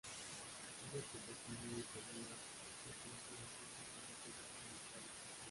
Una aplicación muy extendida es su uso en síntesis de productos naturales.